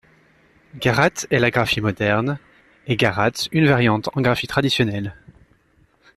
Garate est la graphie moderne et Gárate une variante en graphie traditionnelle.